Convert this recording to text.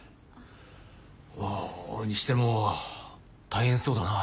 ああ。にしても大変そうだな巌。